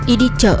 y đi chợ